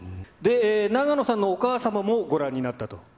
で、永野さんのお母様もご覧になったと。